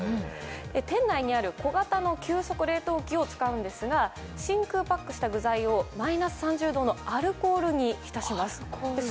店内にある小型の急速冷凍機を使うんですが真空パックした具材をマイナス３０度のアルコールに浸します。